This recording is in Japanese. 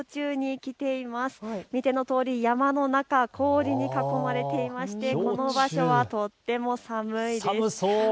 見てのとおり山の中、氷に囲まれていまして、この場所はとっても寒いです。